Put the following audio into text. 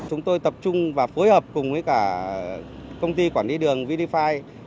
chúng tôi tập trung và phối hợp cùng với cả công ty quản lý đường vdfi